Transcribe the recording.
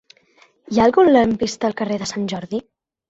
Hi ha algun lampista al carrer de Sant Jordi?